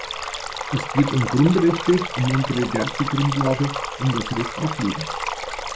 Es geht um Grundrechte, um unsere Wertegrundlage, um das Recht auf Leben.